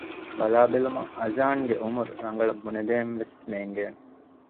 ބަލާ ބެލުމަށް އަޒާން ގެ އުމުރު ރަނގަޅަށް ބުނެދޭން ވެސް ނޭނގޭނެ